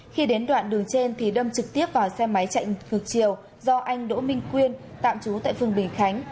khi đến đoạn đường trên thì đâm trực tiếp vào xe máy chạy ngược chiều do anh đỗ minh quyên tạm trú tại phường bình khánh